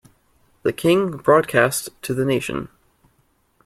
The King broadcast to the nation.